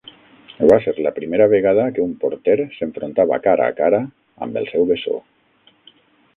Va ser la primera vegada que un porter s'enfrontava cara a cara amb el seu bessó.